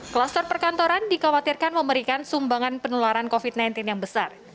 kluster perkantoran dikhawatirkan memberikan sumbangan penularan covid sembilan belas yang besar